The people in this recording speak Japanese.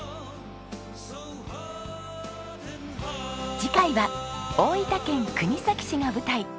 次回は大分県国東市が舞台。